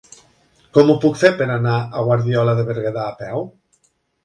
Com ho puc fer per anar a Guardiola de Berguedà a peu?